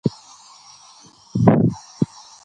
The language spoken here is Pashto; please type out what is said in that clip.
سیلانی ځایونه د افغانستان د فرهنګي فستیوالونو برخه ده.